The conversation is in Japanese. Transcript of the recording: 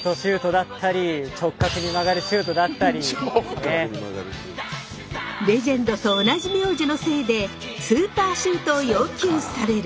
例えばレジェンドと同じ名字のせいでスーパーシュートを要求される。